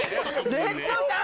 レッドさん！